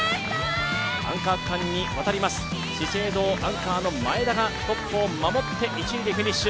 アンカー区間に渡ります、資生堂アンカーの前田がトップを守って１位でフィニッシュ。